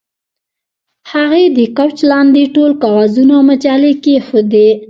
هغې د کوچ لاندې ټول کاغذونه او مجلې کیښودې